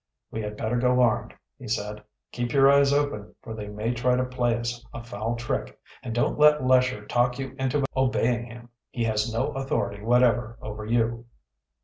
"We had better go armed," he said. "Keep your eyes open, for they may try to play us a foul trick. And don't let Lesher talk you into obeying him. He has no authority whatever over you."